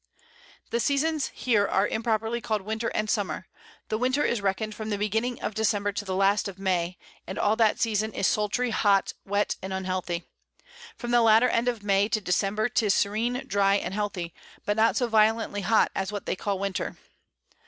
The Seasons here are improperly call'd Winter and Summer; the Winter is reckon'd from the Beginning of December to the last of May, and all that Season is sultry hot, wet and unhealthy. From the latter End of May to December 'tis serene, dry and healthy, but not so violently hot as what they call Winter.